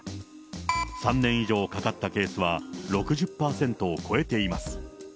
３年以上かかったケースは６０％を超えています。